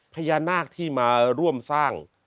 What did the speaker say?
พญานาคที่มาร่วมสร้าง